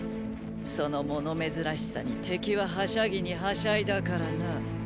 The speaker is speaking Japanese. そのもの珍しさに敵ははしゃぎにはしゃいだからな。